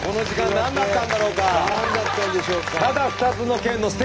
何だったんでしょうか？